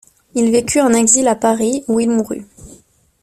Il vécut en exil à Paris où il mourut.